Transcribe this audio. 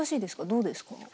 どうですか？